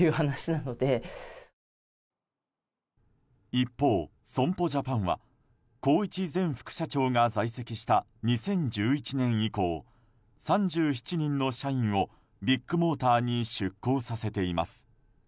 一方、損保ジャパンは宏一前副社長が在籍した２０１１年以降、３７人の社員をビッグモーターに出向させています。